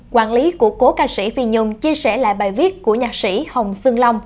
quản lý của cố ca sĩ phi nhung chia sẻ lại bài viết của nhạc sĩ hồng sương long